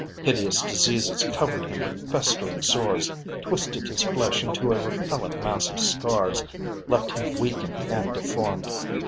Hideous diseases covered him with festering sores; twisted his flesh into a repellent mass of scars; left him weakened and deformed.